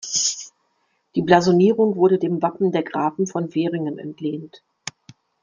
Die Blasonierung wurde dem Wappen der Grafen von Veringen entlehnt.